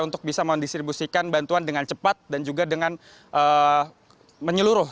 untuk bisa mendistribusikan bantuan dengan cepat dan juga dengan menyeluruh